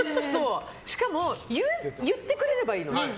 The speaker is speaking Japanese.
しかも、言ってくれればいいの。